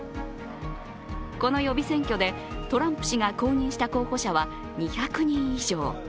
この予備選挙で、トランプ氏が公認した候補者は２００人以上。